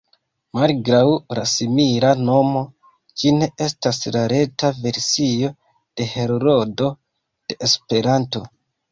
Malgraŭ la simila nomo, ĝi ne estas la reta versio de Heroldo de Esperanto.